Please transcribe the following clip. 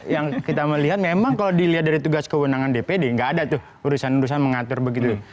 yang kita melihat memang kalau dilihat dari tugas kewenangan dpd nggak ada tuh urusan urusan mengatur begitu